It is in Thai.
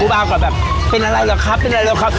ภูเป้าก็แบบเป็นอะไรหรอครับเป็นอะไรหรอครับ